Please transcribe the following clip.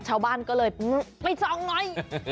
ชาวบ้านก็เลยไปส่องหน่อย